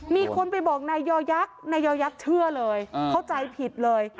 มีคนไปบอกนายยอยักษ์นายยอยักษ์เชื่อเลยเข้าใจผิดเลย